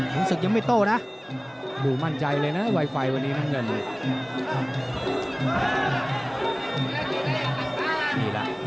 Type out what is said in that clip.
ศึกยังไม่โต้นะดูมั่นใจเลยนะไวไฟวันนี้น้ำเงิน